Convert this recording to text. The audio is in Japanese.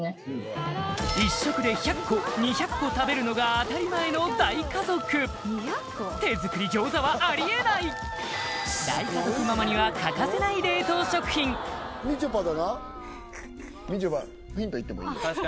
１食で１００個２００個食べるのが当たり前の大家族手作り餃子はあり得ない大家族ママには欠かせない冷凍食品みちょぱだなみちょぱヒントいってもいいよ